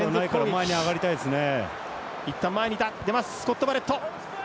前に上がりたいですね。